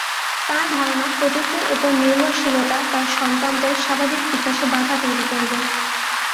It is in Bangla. তাঁর ধারণা, প্রযুক্তির ওপর নির্ভরশীলতা তাঁর সন্তানদের স্বাভাবিক বিকাশে বাধা তৈরি করবে।